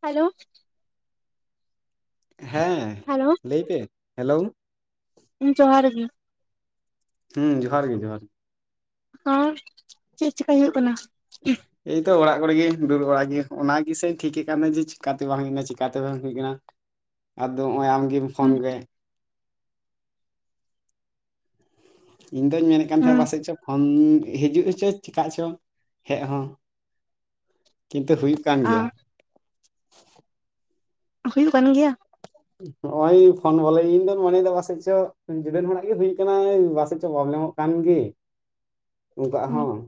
Hello ᱦᱮᱸ hello ᱞᱟᱹᱭ ᱯᱮ ᱦᱮᱞᱳ? ᱦᱮᱸ ᱡᱚᱦᱟᱸᱨ ᱜᱮ᱾ ᱦᱮᱸ ᱡᱚᱦᱟᱸᱨ ᱜᱮ ᱡᱚᱦᱟᱸᱨ ᱜᱮ᱾ ᱦᱚᱸ ᱪᱮᱫ ᱪᱤᱠᱟᱭ ᱦᱩᱭᱩᱜ ᱠᱟᱱᱟ? ᱮᱭᱛᱚ ᱚᱲᱟᱜ ᱠᱚᱨᱮ ᱜᱮᱧ ᱫᱩᱲᱩᱵ ᱵᱟᱲᱟ ᱜᱮ ᱚᱱᱟ ᱜᱮᱥᱮ ᱴᱷᱤᱠ ᱮᱫ ᱠᱟᱱᱟᱹᱧ ᱡᱮ ᱪᱮᱠᱟᱛᱮ ᱵᱟᱝ ᱦᱩᱭ ᱠᱟᱱᱟ ᱪᱮᱠᱟᱛᱮ ᱵᱟᱝ ᱦᱩᱭ ᱞᱮᱱᱟ᱾ ᱟᱫᱚ ᱱᱚᱜᱼᱚᱭ ᱟᱢᱜᱮᱢ ᱯᱷᱳᱱ ᱦᱩᱸ ᱜᱮ᱾ ᱤᱧ ᱫᱚᱧ ᱢᱮᱱᱮᱫ ᱠᱟᱱ ᱛᱟᱦᱮᱸ ᱦᱩᱸ ᱯᱟᱥᱮᱡ ᱪᱚ ᱯᱷᱳᱱ ᱦᱤᱡᱩᱜ ᱦᱚ ᱪᱚ ᱪᱮᱠᱟᱜ ᱪᱚ ᱦᱮᱡ ᱦᱚᱸᱼᱼ ᱠᱤᱱᱛᱩ ᱦᱩᱭᱩᱜ ᱠᱟᱱ ᱟ ᱜᱮᱭᱟ᱾ ᱦᱩᱭᱩᱜ ᱠᱟᱱ ᱜᱮᱭᱟ? ᱱᱚᱜᱼᱚᱭ ᱯᱷᱳᱱ ᱵᱚᱞᱮ ᱤᱧᱫᱚᱧ ᱢᱚᱱᱮᱭᱮᱫᱟ ᱯᱟᱥᱮᱡ ᱪᱚ ᱡᱩᱫᱟᱹ ᱦᱚᱲᱟᱜ ᱜᱮ ᱦᱩᱭ ᱟᱠᱟᱱᱟ, ᱯᱟᱥᱮᱡ ᱪᱚ ᱯᱨᱚᱵᱞᱮᱢᱼᱚᱜ᱾ ᱠᱟᱱ ᱜᱮᱼᱼ [inaudible] ᱩᱱᱠᱩᱣᱟᱜ ᱦᱩᱸ ᱦᱚᱸᱼᱼ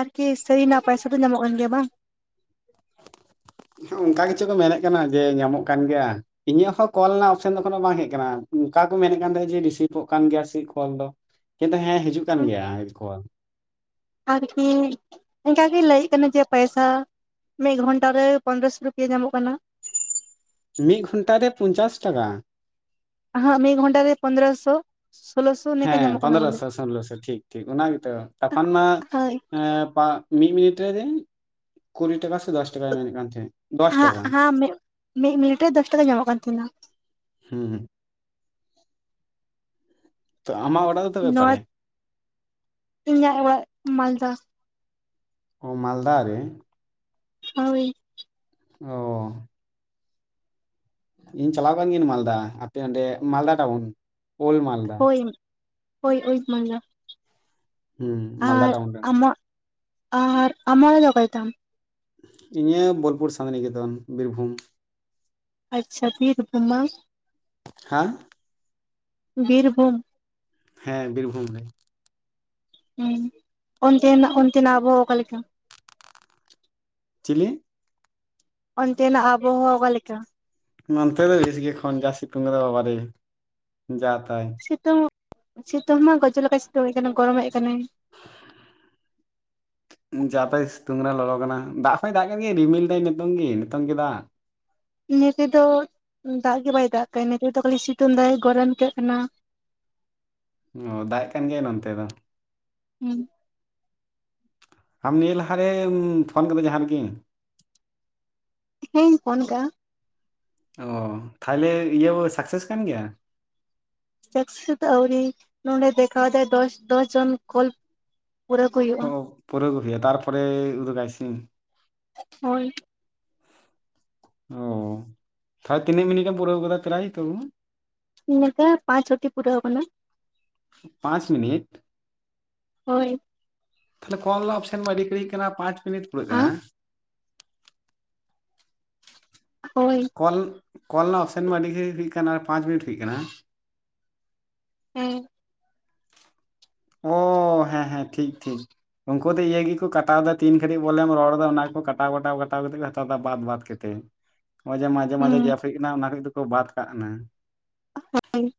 ᱟᱨᱠᱤ ᱥᱟᱹᱨᱤᱱᱟᱜ ᱯᱟᱭᱥᱟ ᱫᱚ ᱧᱟᱢᱚᱜ ᱠᱟᱱ ᱜᱮᱭᱟ ᱵᱟᱝ? ᱚᱱᱠᱟ ᱜᱮᱪᱚ ᱠᱚ ᱢᱮᱱᱮᱫ ᱠᱟᱱᱟ ᱡᱮ ᱧᱟᱢᱚᱜ ᱠᱟᱱ ᱜᱮᱭᱟ᱾ ᱤᱧᱟᱹᱜ ᱦᱚᱸ ᱠᱚᱞ ᱨᱮᱱᱟᱜ ᱚᱯᱥᱮᱱ ᱫᱚ ᱮᱠᱷᱚᱱᱳ ᱵᱟᱝ ᱦᱮᱡ ᱠᱟᱱᱟ, ᱚᱱᱠᱟ ᱠᱚ ᱢᱮᱱᱮᱫ ᱠᱟᱱ ᱛᱟᱦᱮᱸ ᱡᱮ ᱨᱤᱥᱤᱵᱷᱚᱜ ᱠᱟᱱ ᱜᱮᱭᱟ ᱥᱮᱫ ᱠᱚᱞ ᱫᱚ᱾ ᱠᱤᱱᱛᱩ ᱦᱮᱸ ᱦᱤᱡᱩᱜ ᱠᱟᱱ ᱦᱩᱸ ᱜᱮᱭᱟ ᱠᱚᱞ᱾ ᱟᱨᱠᱤ ᱤᱱᱠᱟᱜᱤ ᱞᱟᱹᱭᱮᱫ ᱠᱟᱱᱟ ᱡᱮ ᱯᱟᱭᱥᱟᱼᱼ ᱢᱤᱫ ᱜᱷᱚᱱᱴᱟ ᱨᱮ ᱯᱚᱱᱨᱚ ᱥᱚ ᱨᱩᱯᱤᱭᱟᱹ ᱧᱟᱢᱚᱜ ᱠᱟᱱᱟ᱾ ᱢᱤᱫ ᱜᱷᱚᱱᱴᱟ ᱨᱮ ᱯᱚᱧᱪᱟᱥ ᱴᱟᱠᱟ᱾ ᱦᱟ ᱢᱤᱫ ᱜᱚᱱᱴᱟ ᱨᱮ ᱯᱚᱫᱨᱚ ᱥᱳ᱾ ᱥᱳᱞᱚ ᱥᱚᱼᱼ ᱦᱮᱸ ᱯᱚᱱᱨᱚ ᱥᱚ ᱥᱳᱞᱞᱳ ᱥᱚ ᱴᱷᱤᱠ ᱴᱷᱤᱠ ᱚᱱᱟ ᱜᱮᱛᱚ, ᱛᱚᱠᱷᱚᱱ ᱢᱟ ᱦᱳᱭ ᱮᱸᱻ ᱯᱟᱸ ᱢᱤᱫ ᱢᱤᱱᱤᱴ ᱨᱮ ᱠᱩᱲᱤ ᱴᱟᱠᱟ ᱥᱮ ᱫᱚᱥ ᱴᱟᱠᱟᱭ ᱢᱮᱱᱮᱫ ᱠᱟᱱ ᱛᱟᱦᱮᱸᱫ᱾ ᱫᱚᱥ ᱦᱟᱸ ᱴᱟᱠᱟ ᱦᱟᱸ ᱢᱤᱫ ᱢᱤᱱᱤᱴ ᱨᱮ ᱫᱚᱥ ᱴᱟᱠᱟ ᱧᱟᱢᱚᱜ ᱠᱟᱱ ᱛᱟᱦᱮᱱᱟ᱾ ᱦᱩᱸ᱾ ᱛᱚ ᱟᱢᱟᱜ ᱚᱲᱟᱜ ᱛᱚᱵᱮ ᱚᱠᱟᱨᱮ ᱱᱚᱨᱛᱷ, ᱤᱧᱟᱹᱜ ᱚᱲᱟᱜ ᱢᱟᱞᱫᱟ᱾ ᱚ ᱢᱟᱞᱫᱟ ᱨᱮ? ᱦᱳᱭ᱾ ᱚ ᱤᱧ ᱪᱟᱞᱟᱣ ᱠᱟᱱ ᱜᱤᱭᱟᱹᱧ ᱢᱟᱞᱫᱟ, ᱟᱯᱮ ᱚᱸᱰᱮ ᱢᱟᱞᱫᱟ ᱴᱟᱣᱩᱱ ᱳᱞᱰ ᱢᱟᱞᱫᱟ᱾ ᱦᱳᱭ ᱦᱳᱭ ᱳᱞᱰ ᱢᱟᱞᱫᱟ᱾ ᱦᱩᱸ ᱢᱟᱞᱫᱟ ᱟᱨ ᱴᱟᱣᱩᱱ ᱨᱮ ᱟᱢᱟᱜ, ᱟᱨ ᱟᱢᱟᱜ ᱚᱲᱟᱜ ᱫᱚ ᱚᱠᱟᱨᱮᱛᱟᱢ? ᱤᱧᱟᱹᱜ ᱵᱳᱞᱯᱩᱨ ᱥᱟᱱᱛᱤᱱᱤᱠᱮᱛᱚᱱ, ᱵᱤᱨᱵᱷᱩᱢ᱾ ᱟᱪᱪᱷᱟ, ᱵᱤᱨᱵᱷᱩᱢ ᱵᱟᱝ? ᱦᱮᱸ ᱵᱤᱨᱵᱷᱩᱢ᱾ ᱦᱮᱸ ᱵᱤᱨᱵᱷᱩᱢ ᱨᱮ᱾ ᱦᱩᱸ, ᱚᱱᱛᱮᱱᱟᱜ, ᱚᱱᱛᱮᱱᱟᱜ ᱟᱵᱚᱦᱟᱣᱟ ᱚᱠᱟᱞᱮᱠᱟ? ᱪᱤᱞᱤ? ᱚᱱᱛᱮᱱᱟᱜ ᱟᱵᱚᱦᱚᱣᱟ ᱚᱠᱟ ᱞᱮᱠᱟ? ᱱᱚᱛᱮ ᱫᱚ ᱵᱮᱥ ᱜᱮᱭᱟ ᱮᱠᱷᱚᱱ ᱡᱟ ᱥᱤᱛᱩᱝ ᱠᱟᱫᱟᱭ ᱵᱟᱵᱟᱨᱮ ᱡᱟ ᱛᱟᱭ᱾ ᱥᱤᱛᱩᱝ, ᱥᱤᱛᱩᱝ ᱦᱚᱸ ᱜᱚᱡᱚᱜ ᱞᱮᱠᱟᱭ ᱥᱤᱛᱩᱝᱮᱜ ᱠᱟᱱᱟ, ᱜᱚᱨᱚᱢᱮᱜ ᱠᱟᱱᱟᱭ᱾ ᱡᱟ ᱛᱟᱭ ᱥᱤᱛᱩᱝ ᱠᱟᱱᱟ, ᱞᱚᱞᱚ ᱠᱟᱱᱟ, ᱫᱟᱜ ᱦᱚᱸᱭ ᱫᱟᱜ ᱠᱟᱱ ᱜᱮ ᱨᱤᱢᱤᱞ ᱫᱟᱭ ᱱᱤᱛᱳᱝ ᱜᱮ, ᱱᱤᱛᱳᱝ ᱜᱮ ᱫᱟᱜ᱾ ᱤᱱᱟᱹ ᱛᱮᱫᱚ ᱫᱟᱜ ᱜᱮ ᱵᱟᱭ ᱫᱟᱜ ᱠᱟᱜ-ᱟ, ᱤᱱᱟᱹ ᱛᱮᱫᱚ ᱠᱷᱟᱹᱞᱤ ᱥᱤᱛᱩᱝ ᱫᱟᱭ ᱜᱚᱨᱚᱱ ᱟᱹᱭᱠᱟᱹᱜ ᱠᱟᱱᱟ᱾ ᱚ, ᱫᱟᱜ ᱮᱜ ᱠᱟᱱ ᱜᱮᱭᱟᱭ ᱱᱚᱱᱛᱮ ᱫᱚ᱾ ᱦᱩᱸ᱾ ᱟᱢ ᱱᱤᱭᱟᱹ ᱞᱟᱦᱟᱨᱮᱢ ᱯᱷᱳᱱ ᱠᱟᱫᱟ ᱡᱟᱦᱟᱸ ᱨᱮᱜᱮ? ᱦᱮᱧ ᱯᱷᱳᱱ ᱡᱟᱜ-ᱟ᱾ ᱚ, ᱛᱟᱦᱞᱮ ᱤᱭᱟᱹ ᱥᱟᱠᱥᱮᱥ ᱠᱟᱱ ᱜᱮᱭᱟ? ᱥᱟᱠᱟᱮᱹᱥ ᱫᱚ ᱟᱹᱣᱨᱤ ᱱᱚᱸᱰᱮ ᱫᱮᱠᱷᱟᱣ ᱫᱟᱭ ᱫᱚᱥ ᱫᱚᱥ ᱡᱚᱱ ᱠᱚᱞ ᱯᱩᱨᱟᱹᱣ ᱠᱚ ᱦᱩᱭᱩᱜᱼᱟ ᱚ, ᱯᱩᱨᱟᱹᱣ ᱠᱚ ᱦᱩᱭᱩᱜ-ᱟ, ᱛᱟᱨᱯᱚᱨᱮ ᱩᱫᱩᱜᱟᱭ ᱥᱤ ᱦᱳᱭ ᱚ, ᱛᱟᱦᱞᱮ ᱛᱤᱱᱟᱹᱜ ᱢᱤᱱᱤᱴᱮᱢ ᱯᱩᱨᱟᱹᱣ ᱠᱟᱫᱟ ᱯᱨᱟᱭ ᱛᱚᱵᱩ? ᱱᱚᱝᱠᱟ ᱯᱟᱸᱪ ᱪᱷᱚᱴᱤ ᱯᱩᱨᱟᱹᱣ ᱠᱟᱱᱟ᱾ ᱯᱟᱸᱪ ᱢᱤᱱᱤᱴ? ᱦᱳᱭ᱾ ᱛᱟᱦᱞᱮ ᱠᱚᱞ ᱨᱮᱱᱟᱜ ᱚᱯᱥᱮᱱ ᱢᱟ ᱟᱹᱰᱤ ᱜᱷᱟᱲᱤᱡ ᱠᱟᱱᱟ, ᱯᱟᱸᱪ ᱢᱤᱱᱤᱴ ᱯᱩᱨᱟᱹᱜ ᱟᱸ ᱠᱟᱱᱟ᱾ ᱦᱳᱭ᱾ ᱠᱚᱞ, ᱠᱚᱞ ᱨᱮᱱᱟᱜ ᱚᱯᱥᱮᱱ ᱢᱟ ᱟᱹᱰᱤᱜᱮ ᱠᱟᱱᱟ ᱟᱨ ᱯᱟᱸᱪ ᱢᱤᱱᱤᱴᱳ ᱠᱟᱱᱟ ᱵᱟᱝ? ᱦᱮᱸ᱾ ᱚ, ᱦᱮᱸ ᱦᱮᱸ, ᱴᱷᱤᱠ ᱴᱷᱤᱠ᱾ ᱩᱱᱠᱩ ᱫᱚ ᱤᱧᱟᱹᱜ ᱜᱮᱠᱚ ᱠᱟᱴᱟᱣᱫᱟ ᱛᱤᱱ ᱜᱷᱟᱹᱲᱤᱡ ᱵᱚᱞᱮᱢ ᱨᱚᱲᱮᱫᱟ ᱚᱱᱟ ᱜᱮᱠᱚ ᱠᱟᱴᱟᱣ ᱠᱟᱴᱟᱣ ᱠᱟᱴᱟᱣ ᱠᱟᱛᱮ ᱠᱚ ᱦᱟᱛᱟᱣ ᱮᱫᱟ ᱵᱟᱫ ᱵᱟᱫ ᱠᱟᱛᱮ᱾ ᱛᱮ, ᱱᱚᱜᱼᱚᱭ ᱡᱮ ᱢᱟᱡᱷᱮ ᱢᱟᱡᱷᱮ ᱜᱮᱯ ᱦᱩᱸ ᱦᱩᱭᱩᱜ ᱠᱟᱱᱟ ᱚᱱᱟ ᱠᱚᱡ ᱫᱚᱠᱚ ᱵᱟᱫ ᱠᱟᱜ ᱠᱟᱱᱟ᱾ ᱦᱳᱭ᱾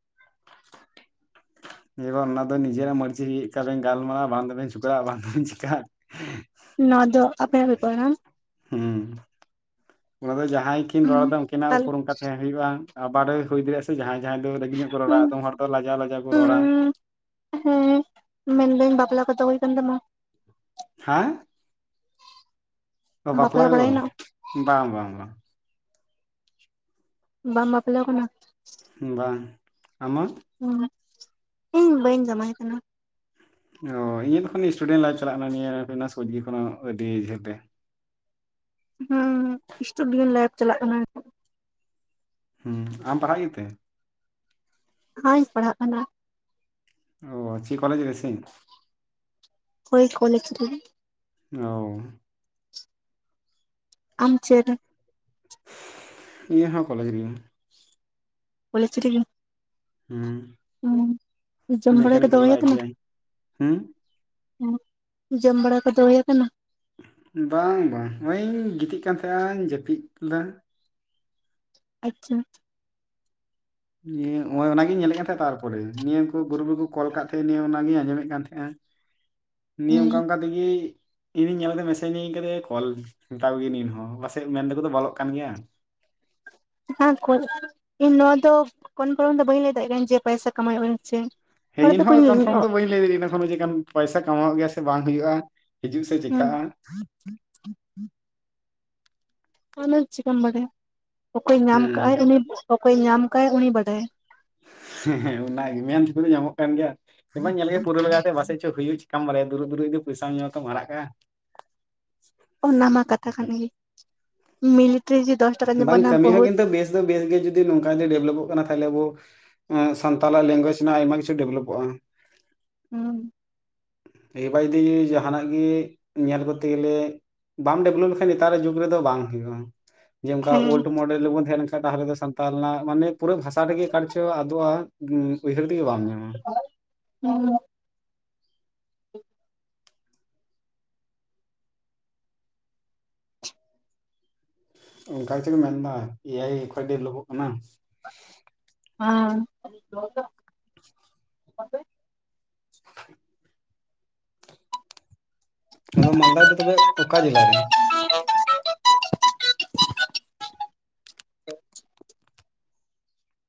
ᱤᱧ ᱫᱚ ᱚᱱᱟ ᱫᱚ ᱱᱤᱡᱮᱨᱟᱜ ᱢᱟᱨ ᱡᱤ ᱪᱮᱫᱠᱟᱵᱮᱱ ᱜᱟᱞᱢᱟᱨᱟᱣ ᱵᱟᱝ ᱫᱚᱵᱮᱱ ᱡᱷᱚᱠᱲᱟᱜ ᱵᱟᱝ ᱫᱚᱵᱮᱱ ᱪᱤᱠᱟᱜ ᱱᱚᱣᱟ ᱫᱚ ᱟᱯᱮᱭᱟᱜ ᱵᱮᱯᱟᱨ ᱵᱟᱝ ᱦᱩᱸ᱾ ᱚᱱᱟ ᱫᱚ ᱡᱟᱦᱟᱸᱭ ᱠᱤᱱ ᱦᱩᱸ ᱨᱚᱲᱫᱟ ᱩᱝᱠᱤᱱᱟᱜ ᱛᱟᱦᱞᱮ ᱩᱯᱚᱨ ᱚᱱᱠᱟ ᱛᱟᱦᱮᱸ ᱦᱩᱭᱩᱜ-ᱟ, ᱟᱵᱟᱨᱮ ᱦᱩᱭ ᱫᱟᱲᱮᱭᱟᱜᱼᱟ ᱥᱮ ᱡᱟᱦᱟᱸᱭ ᱡᱟᱦᱟᱸᱟᱭ ᱫᱚ ᱛᱤᱱᱟᱹᱜ ᱠᱚ ᱨᱚᱲᱟ, ᱦᱩᱸ ᱟᱫᱚᱢ ᱦᱚᱲ ᱫᱚ ᱞᱟᱡᱟᱣ ᱞᱟᱡᱟᱣ ᱠᱚ ᱨᱚᱲᱟ ᱦᱩᱸ ᱦᱮᱸ, ᱢᱮᱱᱫᱟᱹᱧ ᱵᱟᱯᱞᱟ ᱠᱚᱫᱚ ᱦᱩᱭ ᱠᱟᱱ ᱛᱟᱢᱟ? ᱦᱮᱸ? ᱚ, ᱵᱟᱯᱞᱟ ᱠᱚ, ᱵᱟᱝ ᱵᱟᱝ ᱵᱟᱝ᱾ ᱵᱟᱢ ᱵᱟᱯᱞᱟ ᱠᱟᱱᱟ? ᱵᱟᱝ, ᱟᱢᱟᱜ? ᱦᱮᱸ ᱤᱧ ᱵᱟᱹᱧ ᱡᱚᱢᱟᱭ ᱠᱟᱱᱟ᱾ ᱚ ᱤᱧᱟᱹᱜ ᱮᱠᱷᱚᱱ ᱥᱴᱩᱰᱮᱱᱴ ᱞᱟᱭᱤᱯᱷ ᱪᱟᱞᱟᱜ ᱠᱟᱱᱟ ᱱᱤᱭᱟᱹ ᱥᱳᱜᱳ ᱟᱹᱰᱤ ᱡᱷᱟᱹᱞ ᱨᱮ᱾ ᱦᱮᱸ ᱥᱴᱩᱰᱮᱱᱴ ᱞᱟᱭᱤᱯᱷ ᱪᱟᱞᱟᱜ ᱠᱟᱱᱟ᱾ ᱦᱮᱸ ᱟᱢ ᱯᱟᱲᱦᱟᱜ ᱜᱮᱛᱮ? ᱦᱩᱭ ᱤᱧ ᱯᱟᱲᱦᱟᱜ ᱠᱟᱱᱟ᱾ [inaudible] ᱦᱳᱭ ᱠᱚᱞᱮᱡᱽ ᱨᱮ, ᱚ ᱟᱢ ᱪᱮᱫ ᱨᱮ? ᱤᱧ ᱦᱚᱸ ᱠᱚᱞᱮᱡᱽ ᱨᱮ, ᱠᱚᱞᱮᱡᱽ ᱨᱮᱜᱮ ᱦᱩᱸ ᱡᱚᱢᱵᱟᱲᱟ ᱠᱚᱫᱚ ᱢᱮᱠᱟᱱᱤᱠᱮᱞ ᱦᱩᱭ ᱟᱭ ᱴᱤ ᱠᱟᱱᱟ? ᱟᱭ ᱦᱩᱸ ᱡᱚᱢ ᱵᱟᱲᱟ ᱠᱚ ᱫᱚ ᱦᱩᱭ ᱟᱠᱟᱱᱟ? ᱵᱟᱝ ᱵᱟᱝ ᱱᱚᱜᱼᱧ ᱜᱤᱛᱤᱡ ᱠᱟᱱ ᱛᱟᱦᱮᱼᱟᱧ ᱡᱟᱹᱯᱤᱫ ᱞᱮᱫᱟ᱾ ᱟᱪᱪᱷᱟ ᱱᱤᱭᱟᱹ ᱱᱚᱜ ᱚᱭ ᱚᱱᱟᱜᱤᱧ ᱧᱮᱞᱮᱫ ᱛᱟᱦᱮᱸᱜᱼᱟ ᱟᱨ, ᱛᱟᱯᱚᱨᱮ ᱱᱤᱭᱟᱹ ᱠᱚ ᱜᱩᱨᱩᱯ ᱨᱮᱠᱚ ᱠᱚ ᱠᱚᱞ ᱟᱠᱟᱫ ᱛᱟᱦᱮᱸ ᱱᱤᱭᱟᱹ ᱚᱱᱟᱜᱤᱧ ᱟᱸᱡᱚᱢᱮᱫ ᱠᱟᱱ ᱛᱟᱦᱮᱸᱼᱟ ᱱᱤᱭᱟᱹ ᱚᱱᱠᱟ ᱦᱩᱸ ᱚᱱᱠᱟ [unintelligible] ᱤᱧᱦᱩᱧ ᱧᱮᱞ ᱠᱮᱫ ᱢᱮᱥᱮᱡᱽ ᱤᱧ ᱟᱹ ᱠᱟᱫᱮ ᱠᱚᱞ ᱢᱮᱛᱟᱣ ᱜᱮᱭ ᱤᱧᱦᱚᱸ ᱯᱟᱥᱮᱡ ᱢᱮᱱᱛᱮᱠᱚᱫᱚ ᱵᱚᱞᱚᱜ ᱠᱟᱱ ᱜᱮᱭᱟ ᱦᱮᱸ ᱤᱧ ᱱᱚᱣᱟ ᱫᱚ ᱠᱚᱱ ᱯᱚᱨᱚᱱ ᱫᱚ ᱵᱟᱹᱧ ᱞᱟᱹᱭ ᱫᱟᱲᱮᱭᱟᱜ ᱠᱟᱱᱟ ᱡᱮ ᱯᱚᱭᱥᱟ ᱠᱟᱢᱟᱣᱚᱜᱼᱟ ᱥᱮ ᱦᱮᱸ ᱦᱚᱲ ᱤᱧᱦᱚᱸ ᱫᱚᱠᱚᱧ ᱦᱩᱸ ᱠᱚᱱᱯᱷᱟᱨᱢ ᱫᱚ ᱵᱟᱹᱧ ᱞᱟᱹᱭ ᱫᱟᱲᱮᱭᱟᱜᱼᱟ ᱠᱷᱚᱱ ᱯᱚᱭᱥᱟ ᱠᱟᱢᱟᱣ ᱜᱮᱭᱟ ᱥᱮ ᱵᱟᱝ ᱦᱩᱭᱩᱜᱼᱟ ᱦᱤᱡᱩᱜ ᱥᱮ ᱪᱮᱠᱟ ᱟ ᱟᱱᱮ ᱪᱮᱠᱟᱢ ᱵᱟᱰᱟᱭᱟ ᱚᱠᱚᱭᱮ ᱧᱟᱢ ᱠᱟᱜ ᱦᱮᱸ ᱟᱭ ᱩᱱᱤ ᱚᱠᱚᱭᱮ ᱧᱟᱢ ᱠᱟᱜ ᱩᱱᱤ ᱵᱟᱰᱟᱭᱟ ᱦᱮᱸ ᱦᱮᱸ ᱜᱮ ᱢᱮᱱ ᱫᱟᱠᱚ ᱛᱚ ᱧᱟᱢᱚᱜ ᱠᱟᱱ ᱜᱮᱭᱟ᱾ ᱧᱮᱞ ᱢᱟ ᱧᱮᱞ ᱜᱮᱭᱟ ᱯᱩᱨᱟᱹ ᱞᱟᱜᱟ ᱛᱮ ᱯᱟᱪᱮᱥ ᱦᱩᱭᱩᱜ ᱪᱤᱠᱟᱢ ᱵᱟᱨᱟᱭᱟ ᱫᱩᱨᱩᱜ ᱫᱩᱨᱩᱜ ᱯᱚᱭᱥᱟᱢ ᱧᱟᱢ ᱟᱛᱚ ᱟᱲᱟᱜᱼᱟ᱾ ᱚᱱᱟ ᱢᱟ ᱠᱟᱛᱷᱟ ᱠᱟᱱ ᱜᱮ ᱢᱤᱞᱤᱴᱟᱨᱤ ᱡᱤ ᱵᱟᱝ ᱠᱟᱹᱢᱤ ᱦᱚᱸ ᱠᱤᱱ ᱵᱮᱥ ᱫᱚ ᱵᱮᱥ ᱜᱮ ᱡᱤ ᱱᱚᱝᱠᱟ ᱰᱮᱵᱷᱞᱚᱯᱚᱜ ᱠᱟᱱᱟ ᱛᱟᱦᱚᱞᱮ ᱟᱵᱚ, ᱥᱟᱱᱛᱟᱞ ᱞᱮᱝᱜᱩᱭᱮᱡ ᱨᱮᱱᱟᱜ ᱟᱭᱢᱟ ᱠᱤᱪᱷᱩ ᱰᱮᱵᱷᱞᱚᱯᱚᱜᱼᱟ᱾ ᱦᱩᱸ ᱮᱵᱟᱭ ᱡᱩᱫᱤ ᱡᱟᱦᱟᱱᱟᱜ ᱜᱮ ᱧᱮᱞ ᱠᱚᱛᱮ ᱜᱮᱞᱮ ᱵᱟᱢ ᱰᱮᱵᱷᱞᱚᱯ ᱞᱮᱠᱷᱟᱡ ᱱᱮᱛᱟᱨᱟᱜ ᱡᱩᱜᱽ ᱨᱮᱫᱚ ᱵᱟᱝ ᱦᱩᱭᱩᱜᱼᱟ, ᱡᱮ ᱚᱱᱠᱟ ᱦᱮᱸ ᱳᱞᱰ ᱢᱚᱰᱮᱞ ᱨᱮᱵᱚᱱ ᱛᱟᱦᱮᱸ ᱞᱮᱱᱠᱷᱟᱱ᱾ ᱛᱟᱦᱚᱞᱮ ᱫᱚ ᱥᱟᱱᱛᱟᱞ ᱨᱮᱱᱟᱜ ᱢᱟᱱᱮ ᱯᱩᱨᱟᱹ ᱵᱷᱟᱥᱟ ᱨᱮᱜᱮ ᱚᱠᱟᱨᱮᱪᱚ ᱟᱫᱚᱜᱼᱟ ᱩᱭᱦᱟᱹᱨ ᱛᱮᱜᱮ ᱵᱟᱢ ᱧᱟᱢᱟ᱾ ᱦᱩᱸ ᱚᱱᱠᱟ ᱜᱮᱪᱚ ᱢᱮᱱ ᱮᱫᱟ ᱮᱭᱟᱭ ᱠᱷᱚᱡ ᱫᱚ ᱫᱷᱮᱨ ᱞᱳᱵᱳ ᱠᱟᱱᱟ᱾ [unintelligible] [unintelligible] ᱟᱫᱚ ᱢᱟᱞᱫᱟ ᱫᱚ ᱛᱚᱵᱮ ᱚᱠᱟ ᱡᱮᱞᱟ ᱨᱮ?